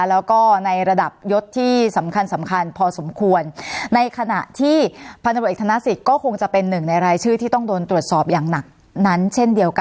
แล้วก็ในระดับยศที่สำคัญสำคัญพอสมควรในขณะที่พันธบทเอกธนสิทธิ์ก็คงจะเป็นหนึ่งในรายชื่อที่ต้องโดนตรวจสอบอย่างหนักนั้นเช่นเดียวกัน